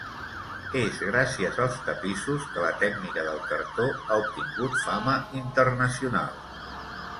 És gràcies als tapissos que la tècnica del cartó ha obtingut fama internacional.